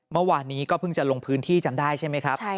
เมื่อวานนี้ก็เพิ่งจะลงพื้นที่จำได้ใช่ไหมครับ